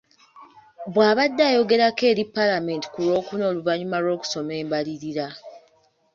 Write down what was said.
Bw’abadde ayogerako eri Paalamenti ku lwokuna oluvannyuma lw’okusoma embalirira.